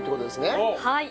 はい。